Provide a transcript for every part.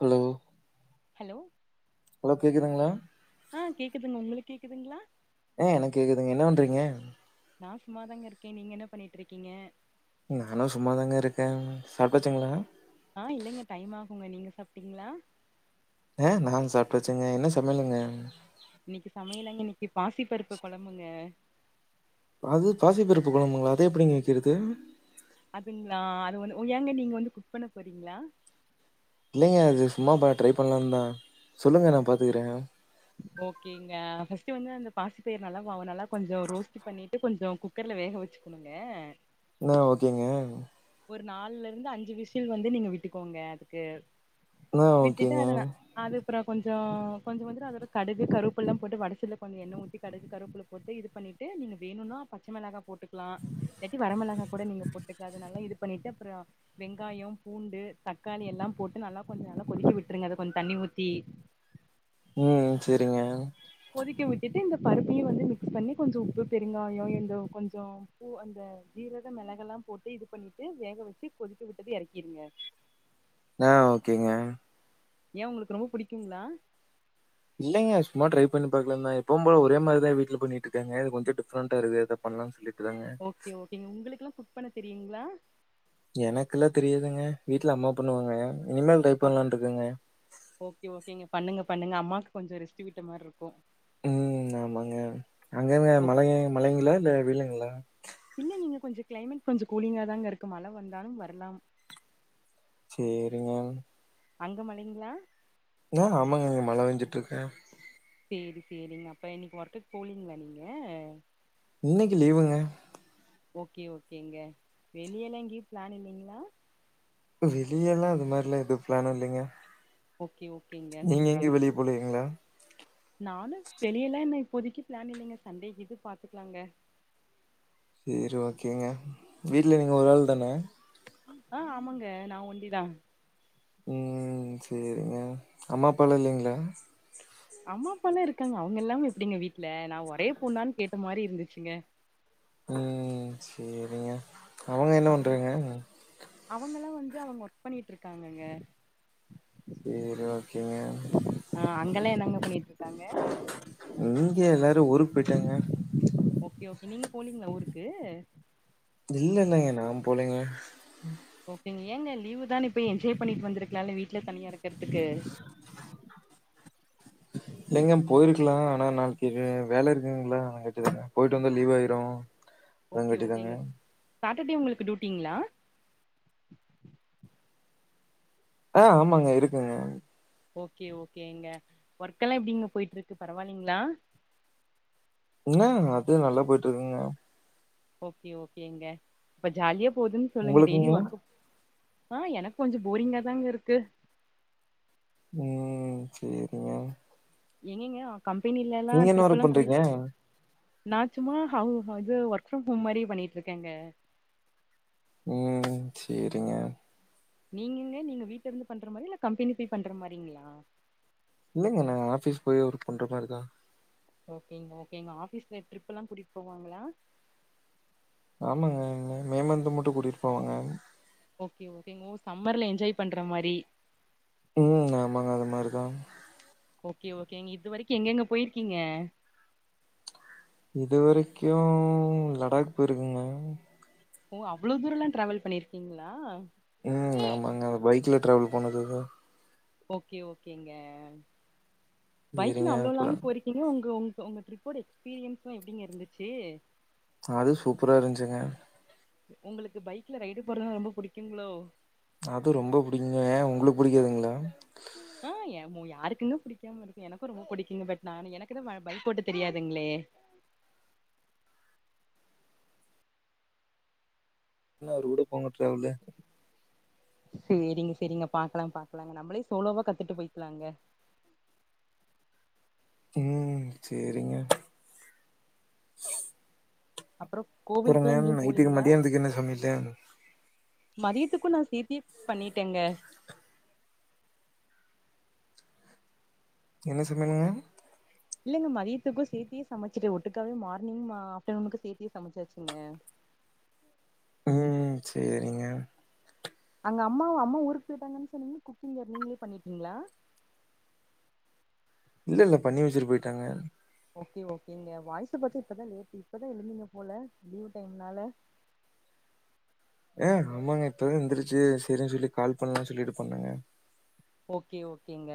Hello? Hello? Hello கேக்குதுங்ளா? ஆ கேக்குதுங்க உங்குளுக் கேக்குதுங்ளா? அ எனக் கேக்குதுங்க என்ன வண்றீங்க? நா சும்மாதாங்க இருக்கே நீங்க என்ன பண்ணிட்ருக்கீங்க? நானு சும்மா தாங்க இருக்கேம் சாப்ட்டாச்சுங்களா? ஆ இல்லங்க டைம் ஆகுங்க நீங்க சாப்ட்டிங்ளா? ஆ நாங் சாப்ட்டாச்சுங்க என்ன சமையலுங்க? இன்னிக்கு சமையலாங்க இன்னிக்கி பாசி பருப்பு கொழம்புங்க. அது பாசிப்பருப்பு கொழம்புங்ளா அத எப்டிங்க வெக்கிறது? அதுங்ளா அது வந்து உ ஏங்க நீங்க வந்து குக் பண்ண போறீங்ளா? இல்லைங்க அது சும்மா ப ட்ரை பண்லான் தா சொல்லுங்க நா பாத்துக்குறே. ஓகேங்க ஃபஸ்ட்டு வந்து அந்த பாசி பயிர் நல்லா வா நல்லா கொஞ்சோ ரோஸ்ட்டு பண்ணி ட்டு கொஞ்சோ குக்கர்ல வேக வெச்சுகுணுங்க. ன்னா ஓகேங்க. ஒரு நால்ல இருந்து அஞ்சு விசில் வந்து நீங்க விட்டுக்கோங்க அதுக்கு ஆ விட்டுட்டு ஓகேங்க அத ந அது அப்புற கொஞ்சோ கொஞ்சோ வந்துட்டு அதோட கடுகு கருவப்பில்லா போட்டு வடசட்ல கொஞ்சோ எண்ண ஊத்தி கடுகு கரோப்ல போட்டு இது பண்ணிட்டு நீங்க வேணுனா பச்ச மிளகா போட்டுக்லா. தட்டி வரமிளகா கூட நீங்க போட்டுக்க அத நல்லா இது பண்ணிட்டு அப்றோ வெங்காயம், பூண்டு, தக்காளி எல்லாம் போட்டு நல்லா கொஞ்ச நல்லா கொதிக்க விட்ருங்க அத கொஞ் தண்ணி ஊத்தி. ம் சேரிங்க. கொதிக்க விட்டுட்டு இந்த பருப்பையு வந்து மிக்ஸ் பண்ணி கொஞ்சொ உப்பு பெருங்காயோ இந்த கொஞ்சோ பு அந்த ஜீரக மெளகெல்லாம் போட்டு இது பண்ணிட்டு வேக வெச்சி கொதிக்க விட்டது எறக்கிருங்க. ஆ ஓகேங்க. ஏ உங்குளுக்கு ரொம்ப புடிக்குங்ளா? இல்லைங்க சும்மா ட்ரை பண்ணி பாக்லான் தா எப்பவும் போல ஒரே மாரிதா வீட்ல பண்ணிட்டுக்காங்க இது கொஞ்சோ டிஃப்ரெண்டா இருக்தே அதா. பண்லான் சொல்லிட்டு தாங்க. ஒகே ஓகேங்க உங்குளுக்லா குக் பண்ண தெரியுங்ளா? எனக்குல்லா தெரியாதுங்க வீட்ல அம்மா பண்ணுவாங்க இனிமேல் ட்ரை ஓகே பண்லான்டுக்கங்க. ஓகே ஓகேங்க பண்ணுங்க பண்ணுங்க அம்மாக்கு கொஞ்சோ ரெஸ்ட்டு விட்ட மார்ருக்கு. ம் ஆமாங்க அங்கங்க ஓ மழைய மழைங்ளா இல்ல வெய்லுங்ளா? இல்லைங்க இங்க கொஞ்ச கிளைமேட் கொஞ்சோ கூலிங்கா தாங்க இருக்கு மழ வந்தாலும் வரலாம். சேரிங்க. அங்க மழைங்ளா? நா ஆமாங்க [unintelligible] மழை பெஞ்சிட்ருக்கே சேரி சேரிங்க அப்ப இன்னிக் ஒர்க்குக் போலீங்ளா நீங்க இன்னிக்கு லீவுங்க ஓகே ஓகேங்க வெளியெல்லா எங்யு ப்ளான் இல்லைங்ளா வெளியெல்லா அது மாரிலா எது ப்ளானு இல்லைங்க ஓகே ஓகே நீங்க எங்யு வெளிய போலீங்ளா நானும் வெளியலா இனய் இப்போதைக்கி ப்ளான் இல்லங்க சண்டே இது பாத்துக்லாங்க சேரி ஓகேங்க வீட்ல நீங்க ஒரு ஆள் தான ஆ ஆமாங்க நா ஒண்டிதா ம் சரிங்க அம்மாப்பால இல்லைங்ளா அம்மா அப்பால்லா இருக்காங்க அவங்க இல்லாம எப்படிங்க வீட்ல நா ஒரே பொண்னான் கேட்ட மாரி இருந்துச்சுங்க உம் சேரிங்க அவங்க என்ன அப்புறோ பண்றங்க அவங்கல்லா வந்து அவங்க வர்க் பண்ணிட்டு இருக்காங்கங்க சேரி ஓகேங்க ஆ அங்கெல்லா என்னங்க பண்ணிட்டு இருக்காங்க இங்க எல்லாரு ஊருக் போய்ட்டாங்க ஓகே ஓகே நீங்க போலீங்ளா ஊருக்கு இல்ல இல்லங்க நா போலிங்க ஓகேங் ஏங்க லீவு தான இப்பய் என்ஜாய் பண்ணிட் வந்துருக்லால வீட்ல தனியா இருக்குற்த்துக்கு [unintelligible] இல்லைங்க போய்ர்க்லா ஆனா நாள்க்கி வேல இருக்குங்ளா எட்டுதுங்க போய்ட்டு வந்தா லீவ் ஆய்ரு [unintelligible] ஓகே ஓகேங்க சாட்டடே உங்களுக்கு டூட்டிங்ளா ஆ ஆமாங்க இருக்குங்க ஓகே ஓகேங்க வர்க்கல்லா எப்டிங்க போயிட்ருக்கு பரவால்லிங்ளா இன்னாங்க அது நல்லா போய்ட்ருக்குங்க ஓகே ஓகேங்க இப்ப ஜாலியா போதுன் சொல்லுங்க டெய்லி உங்களுக்குங்க வர்க்கு ஆ எனக்கு கொஞ்சோ போரிங்கா தாங் இருக்கு உம் ச்சேரிங்க எங்கெங்க கம்பெனிலல்லா என்ன ஒர்க் ட்ரிப்பல்லா கூட்டிட் பண்றீங்க நா ச்சும்மா ஹவ் ஹது ஒர்க்ஃப்ரம் ஹோம் மாரி பண்ணிட்ருக்கேங்க உம் ச்சேரிங்க நீங்குங்க நீங்க வீட்ல இருந்து பண்ற மாரி இல்ல கம்பெனி போய் பண்ற மாரிங்ளா இல்லைங்க நா ஆஃபீஸ் போய் ஒர்க் பண்ற மாரி தா ஓகேங்க ஓகேங்க ஆஃபீஸ்ல ட்ரிப் எல்லா கூட்டிட் போவாங்ளா ஆமாங்க என்னே மே மன்த்து மட்டு கூட்டிட் போவாங்க ஓகே ஓகேங்மோஸ் சம்மர்ல என்ஜாய் பண்ற மாரி உவோ ஆமாங்க அது மாரிதா ஓகே ஓகேங்க இது வரிக்கி எங்கெங்க போய்ர்க்கீங்க இதுவரைக்யு லடாக் போய்ருக்குங்க ஓ அவ்ளோ தூரல்லா டாராவல் பண்ணிர்க்கீங்ளா ம் ஆமாங்க அத பைக்ல ட்ராவல் பண்ணுதுது ஓகே ஓகேங்க சேரிங்க பைக்ல அவ்ளோ அப்புற லாங் போறீக் இம்மா உங்க உங்க்கு உங்க ட்ரிப்போட எக்ஸ்பீரியன்ஸு எப்டிங்க இருந்துச்சு அது சூப்பரா இருந்ச்சுங்க உங்குளுக்கு பைக்ல ரைடு போடுறதுதா ரொம்ப புடிக்குங்களோ அது ரொம்போ புடிக்குங்க உங்குளுக்கு புடிக்காதுங்களா ஆ ஏ மோ யாருக்குங்க புடிக்காம இருக்கோ எனக்கோ ரொம்போ பிடிக்குங்க பட் நானு எனக்குதா பைக் போட்டு தெரியாதுங்ளே இன்னோ அவரு கூட போங்க ட்ராவலு செரிங்க செரிங்க பாக்கலா பாக்கலாங்க நம்மளே சோலோவா கத்துட்டு போய்க்கலாங்க ம் செரிங்க அப்புறோ அப்புறங்க நைட்டுக்கு மதியானத்துக்கு என்ன சமையலு மதியத்துக்கு நா சேத்தே பண்ணிட்டேங்க என்ன சொன்னாங்கங்க இல்லங்க மதியத்துக்கோ சேத்தே சமச்சிட்டு ஒட்டுக்காகவே மார்னிங் ஆ ஆஃப்டர்நூனுக்கு சேத்தே சமச்சாசுங்க ம் செரிங்க அங்க அம்மாவோ அம்மா ஊருக்கு போயிட்டாங்கன் சொன்னீங்க குக்கிங் யாரு நீங்களே பண்ணிட்டீங்ளா இல்ல இல்ல பண்ணி வெச்சுட்டு போயிட்டாங்க ஓகே ஓகேங்க வாய்ஸு போட்டு இப்பதா லேட் இப்பதா எழுந்தீங்க போல லீவு டைமுனால ஏ ஆமாங்க இப்பதா எந்திரிச்சு செரின்னு சொல்லி கால் பண்ணலான்னு சொல்லிட்டு பண்ணேங்க ஓகே ஓகேங்க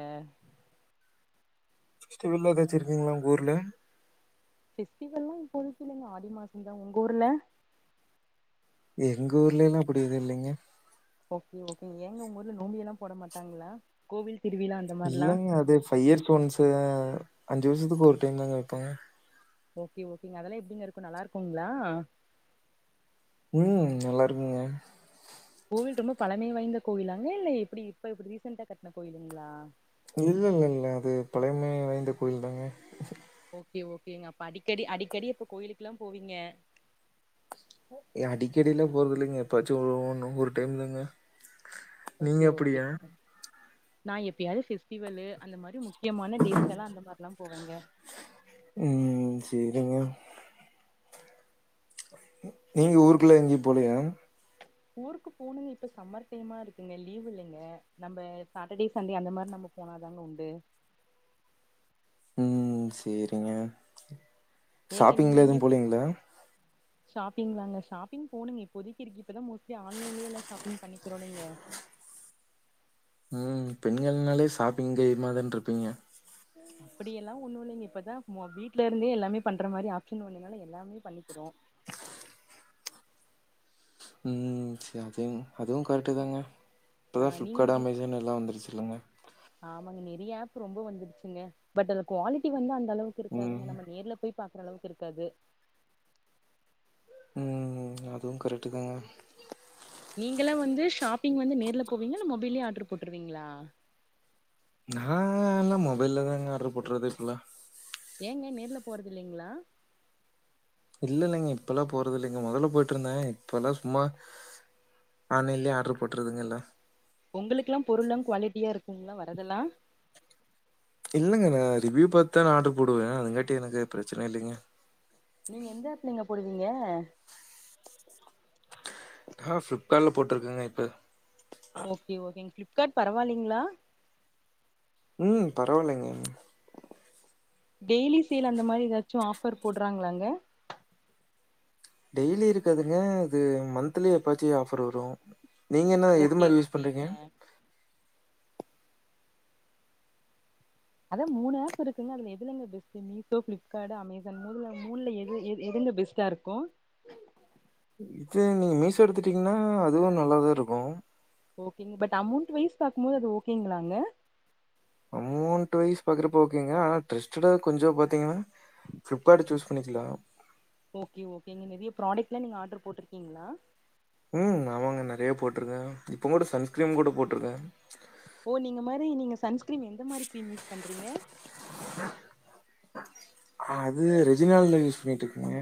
ஃபெஸ்டிவெல்லா ஏதாச்சு இருக்குங்களா உங்க ஊர்ல ஃபெஸ்டிவெல்லா இப்போதிக்கு இல்லங்க ஆடி மாசோ தா உங்க ஊர்ல எங்க ஊர்லலா அப்டி எதோ இல்லைங்க ஓகே ஓகே ஏங்க உங்க ஊர்ல நோம்பியெல்லா போட மாட்டாங்களா கோவில் திருவிழா அந் இல்லங்க அது ஃபைவ் இயர்ஸ் ஒன்ஸ் ஆ அஞ்சு வருஷத்துக்கு ஒரு டைம் தாங்க வெப்பாங்க ஓகே ஓகேங்க அதெல்லா எப்டீங்க இருக்கோ நல்லா இருக்கோங்களா ம் நல்லா இருக்குங்க கோவில் ரொம்ப பழமை வாய்ந்த கோவிலாங்க இல்ல இப்புடி இப்ப ரீசென்டா கட்ன கோயிலுங்ளா இல்ல இல்ல இல்ல அது பழைமை வாய்ந்த கோயில் தாங்க ஓகே ஓகேங்க அப்ப அடிக்கடி அடிக்கடி அப்ப கோயிலுக்குலா போவீங்க எ அடிக்கடிலா போறது இல்லைங்க எப்பாச்சு ஒன் ஒரு டைம்தாங்க ஓகே ஓகேங்க நா எப்பயாவது ஃபெஸ்டிவலு அந்த மாரி முக் முக்கியமான டேஸ்லலா அந்த மாதிரிலா போவேங்க ம் செரிங்க நீங்க ஊருக்குள்ள எங்கயு போலையா ஊருக்கு போனுங்க இப்போ சம்மர் டைமா இருக்குங்க லீவ் இல்லைங்க நம்ப சாட்ட டே சண்டே அந்த மாதிரி நம்போ போனாதாங்க உண்டு உம் செரிங்க ஏங்க நீங்க எங்கயு ஷாப்பிங் தாங்க ஷாப்பிங் போணுங்க இப்போதிக்கு இப்போதா மோஸ்ட்லி ஆன்லைன்லயே எல்லா ஷாப்பிங் பண்ணிக்கிறோலிங்க ம் பெண்கள்னாலே ஷாப்பிங் கையுமா தான்ட்ருப்பீங்க அப்பிடியெல்லா ஒண்ணோ இல்லைங்க இப்பதா வீட்ல இருந்தே எல்லாமே பண்ற மாறி ஆப்ஷன் வந்தனால எல்லாமே பண் ணிக்கிறோ உம் செர்அதுயுங் அதுவு கரெக்ட்டு தாங்க ஆ இப்பதா நீங்க ஃப்ளிப்காட் அமேசான் எல்லா வந்துருச்சுல்லங்க ஆமாங்க நெறிய ஆப் ரொம்போ வந்துடுச்சுங்க பட் அது குவாலிட்டி வந்து அந்த அளவுக்கு இருக்காதுங்க ம் நம்ம நேர்ல போய் பாக்குற அளவுக்கு இருக்காது ம் அதுவு கரெக்ட்டு தாங்க நீங்களே வந்து ஷாப்பிங் வந்து நேர்ல போவீங்கலா இல்ல மொபைல்லயே ஆர்டர் போட்ருவீங்ளா நா எல்லா மொபைல்லதாங்க ஆர்டர் போட்டறது இப்பல்லா ஏங்க நேர்ல போறதுல்லைங்களா இல்ல இல்லைங்க இப்பெல்லா போறது இல்லைங்க மொதல்ல போய்ட்டு இருந்தே இப்பல்லா சும்மா ஆன்லைன்லே ஆர்டர் போட்றதுங்க எல்லா உங்களுக்குக்ல்லா பொருள்லா குவாலிட்டியா இருக்குங்களா வரதுல்லா இல்லங்க நா ரிவ்யூ பாத்துதா நா ஆர்டர் போடுவ அதுங்காட்டி எனக்கு பிரச்சன இல்லங்க நீங்க எந்த ஆப்லங்க போடுவீங்க நா ஃப்ளிப்காட்ல போட்ருக்கங்க இப்ப ஓகே ஓகேங்க ஃப்ளிப்கார்ட் பரவால்லைங்ளா ம் பரவால்லங்க டெய்லி சேல் அந்த மாரி எதாச்சு ஆஃபர் போடுறாங்களாங்க டெய்லி இருக்காதுங்க அது மந்த்லி எப்பாச்சு ஆஃபர் வரு நீங்க என்ன எது ஓகே மாரி யூஸ் பண்றீங்க ஓகேங்க அதா மூணு ஆப் இருக்குல அதுல எதுலங்க பெஸ்ட் மீசோ ஃபில்ப்கார்ட் அமேசான் முதல மூ மூணுல எது எது எதுங்க பெஸ்ட் க்யாருக்கு இது நீங்க மீசோ எடுத்துட்டீங்கனா அதுவு நல்லாதாருக்கு ஓகேங்க பட் அமௌண்ட் வைஸ் பாக்கு போது அது ஓகேங்களாங்க அமௌண்ட் வைஸ் பாக்கறப்ப ஓகேங்க ஆனா ட்ரஸ்ட்டடா கொஞ்சோ பாத்தீங்கனா ஃபில்ப்கார்ட் சூஸ் பண்ணிக்லா ஓகே ஓகே நீங்க நெறய ப்ராடக்ட்லா நீங்க ஆர்டர் போட்ருக்கீங்ளா ம் ஆமாங்க நெறய போட்ருக்க இப்போ கூட சன்ஸ்கிரீம் கூட போட்ருக்க ஓ நீங்க மாரி நீங்க சன்ஸ்கிரீம் எந்த மாரி கிரீம் யூஸ் பண்றீங்க அது ரெஜினால்டுல யூஸ் பண்ணிட்டு இருக்கங்க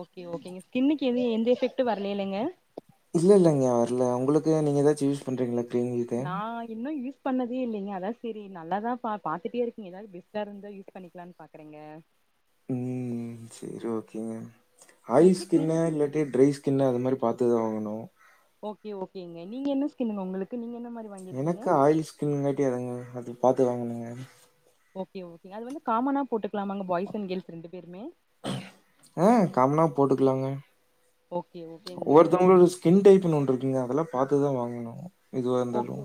ஓகே ஓகேங்க ஸ்கின்னுக்கு எது எந்த எஃபக்ட்டு வரலல்லங்க இல்ல இல்லங்கா வரல உங்களுக்கு நீங்க எதாச்சும் யூஸ் பண்ணுறீங்ளா க்ரீம் இத நா இன்னு யூஸ் பண்ணதே இல்லங்க அதா சரி நல்லதா பா பாத்துட்டே இருக்க எதாவது பெஸ்டா இருந்தா யூஸ் பண்ணிக்கலான் பா க்குறங்க ம் சரி ஓகேங்க ஆயில் மோஸ்ட்லி ஸ்கின் க்ரீம் இல்லாட்டி ட்ரை ஸ்கின் அது மாரி பாத்துதா வாங்கணு ஓகே ஓகேங்க நீங்க என்ன ஸ்கின்னுங்க உங்களுக்கு நீங்க என்ன மாரி வாங்கிருக்கீங்க எனக்கு ஆயில் ஸ்கின்ங் கட்டியாதுங்க அது பாத்து வாங்குங்க ஓகே ஓகே அது வந்து காமனா போட்டுக்கலாமாங்க பாய்ஸ் அண்ட் கேர்ள்ஸ் ரெண்டு பேருமே அ காமனா போட்டுக்கலாங்க ஓகே ஓகேங்க ஒவ்வொருத்தவங்களோ ஸ்கின் டைப்ன் ஒன்னு இருக்குங்க அதெல்லா பாத்துதா வாங்கணு ஓகே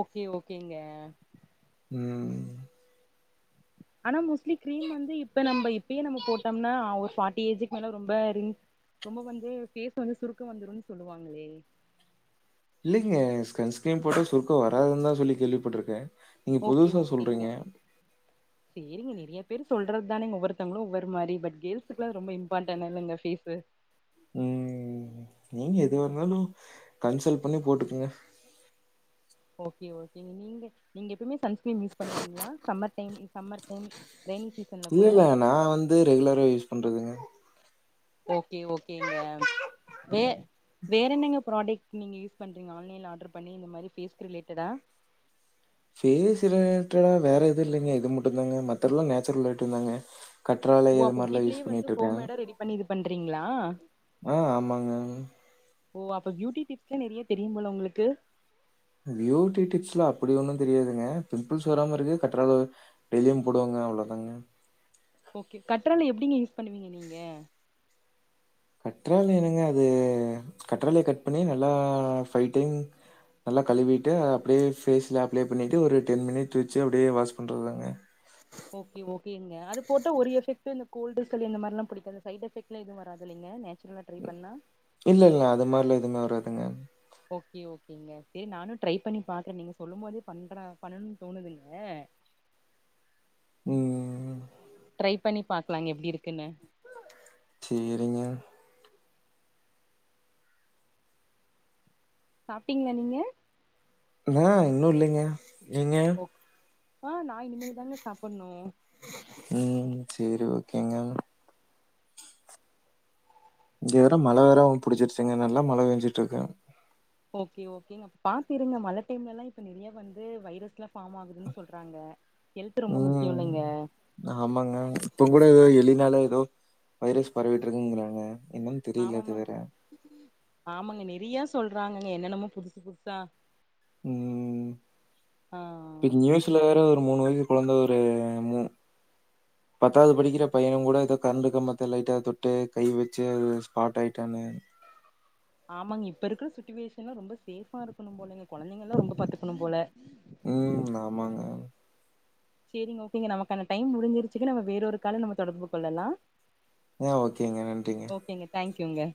ஓகே ஓகேங்க ம் ஆனா மோஸ்லி கிரீம் வந்து இப்ப நம்ம இப்பயே நம்ம போட்டோம்னா ஒரு ஃபார்ட்டி ஏஜ்க்கு மேல ரொம்ப ரிங் ரொம்ப வந்து ஃபேஸ் வந்து சுருக்க வந்துருன் சொல்லுவாங்களே இல்லங்க சன்ஸ்கிரீன் போட்டா சுருக்க வராதுன்தா சொல்லி கேள்விப்பட்ருக்க ஓகே ஓகேங்க சரிங்க நெறய பேர் சொல்றது தானங்க ஒவ்வருத்தவங்களு ஒவ்வொரு மாரி பட் கேர்ள்ஸுக்குலா ரொம்ப இம்பார்டன்ல்லங்க பேஸ்ஸு ம் நீங்க எதுவா இருந்தாலு கன்சல்ட் பண்ணி போட்டுக்கங்க ஓகே ஓகேங்க நீங்க நீங்க எப்பயுமே சன்ஸ்கிரீம் யூஸ் பண்ணுவீங்ளா summer time summer time rainy சீசன்ல இல்ல கூட இல்ல நா வந்து ரெகுலரா யூஸ் பண்றதுங்க ஓகே ஓகேங்க வே வேற என்னங்க ப்ராடக்ட் நீங்க யூஸ் பண்ணுறிங்க ஆன்லைன்ல ஆர்டர் பண்ணி இந்த மாரி ஃபேஸ்க்கு ரிலேட்டடா ஃபேஸ் ரிலேட்டடா வேற எது இல்லைங்க இது மட்டுதாங்க மத்ததெல்லா நேச்சுரல் ஐட்டம் தாங்க கற்றாழை ஓ அது அப்ப மாரிலாம் வீட்லயே யூஸ் வந்து பண்ணிட்டுருக்கேன். ஹோம்மேடா ரெடி பண்ணி இது பண்றீங்களா ஆ ஆமாங்க ஓ அப்ப பியூட்டி டிப்ஸ்லா நெறைய தெரியும் போல உங்களுக்கு பியூட்டி டிப்ஸ்லா அப்டி ஒன்னு தெரியாதுங்க பிம்பிள்ஸ் வராம இருக்கு கற்றா டெய்லியு போடுவங்க அவ்ளோ தாங்க ஓகே கற்றாழை எப்டிங்க யூஸ் பண்ணுவீங்க நீங்க கற்றாழை என்னங்க அது கற்றாழைய கட் பண்ணி நல்லா ஃபை டைம் நல்லா கழுவிட்டு அப்டியே ஃபேஸ்ல அப்ளே பண்ணிட்டு ஒரு டென் மினிட் வெச்சி அப்டியே வாஷ் பண்ணுறது தாங்க ஓகே ஓகேங்க அது போட்டு ஒரு எஃபெக்ட் இந்த கோல்டு சளி இந்த மாரிலா புடிக்காதா அந்த சைடு எஃபெக்ட்லா எதுவு வராது இல்லைங்க நேச்சுரலா ட்ரை பண்ணா இல்ல இல்ல அது மாரிலா எதுவுமே வராதுங்க ஓகே ஓகேங்க செரி நானு ட்ரை பண்ணி பாக்ற நீங்க சொல்லும் போதே பண்ற பண்ணனும்னு தோணுதுங்க ம் அ ட்ரை பண்ணி பாக்கலா எப்டி இருக்குன்னு சேரிங்க சாப்டிங்ளா நீங்க நா இன்னு இல்லைங்க நீங்க ஓ ஆ நா இனிமேல் தாங்க சாப்புட்ணு ம் சேரி ஓகேங்க இங்க வேற மழை வேறு பிடிச்சிருச்சுங்க நல்ல மழை பெஞ்சிட்டிருக்கு ஓகே ஓகேங்க அப்ப பாத்திருங்க மழை டைம்லல்லா இப்ப நெறைய வந்து வைரஸ் எல்லா ஃபார்ம் ஆகுதுன்னு சொல்றாங்க ஹெல்த் ரொம்ப முக்கியோ ம் இல்லைங்க ஆமாங்க இப்ப கூட ஏதோ எலினால ஏதோ வைரஸ் பரவிட்டு இருக்குங்கறாங்க என்ன ஆமாமாங்க ஆமாங்க நெறையா சொல்றாங்கங்க என்னென்னமோ புதுசு புதுசா ம் ஆ ஆ டென் இயர்ஸ் இதுல வேற ஒரு மூணு வயசு கொழந்த ஒரு மு பத்தாவது படிக்கிற பைய கூட எதோ கரண்டு கம்பத்த லைட்ட தொட்டு கை வெச்சு அது ஸ்பாட் ஆயிட்டானு ஆமாங்க இப்பருக்குற சுட்சுவேஷன்லா ரொம்ப செஃப்பா இருக்கணு போலங்க கொழந்தைங்கல ரொம்ப பாத்துக்கணு போல ம் ஆமாங்க செரிங்க ஓகேங்க நமக்கான டைம் முடிஞ்சிருசுங்க நம்ம வேற ஒரு கால்ல நம்ம தொடர்பு கொள்ளலா ஆ ஓகேங்க நன்றிங்க ஓகேங்க தேங்க்யூங்க